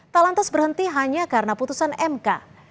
tak lantas berhenti hanya karena putusan mk